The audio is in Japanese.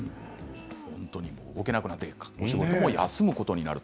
動けなくなってお仕事も休むことになると。